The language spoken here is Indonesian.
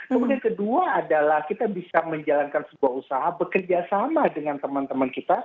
kemudian kedua adalah kita bisa menjalankan sebuah usaha bekerja sama dengan teman teman kita